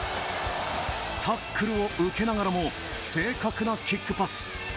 タックルを受けながらも正確なキックパス。